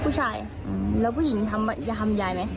ผู้ชายแล้วผู้หญิงจะทำยายไหม